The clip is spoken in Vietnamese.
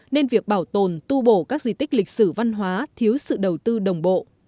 nên việc bảo tồn tu bổ các di tích lịch sử văn hóa thiếu sự đầu tư đồng bộ